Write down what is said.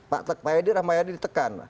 pak edi rahmayadi ditekan